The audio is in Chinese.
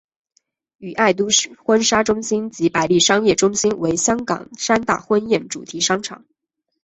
与爱都婚纱中心及百利商业中心为香港三大婚宴主题商场。